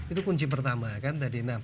itu kunci pertama